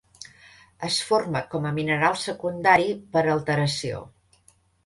Es forma com a mineral secundari per alteració.